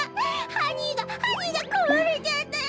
ハニーがハニーがこわれちゃったよ！